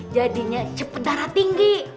jadinya cepet darah tinggi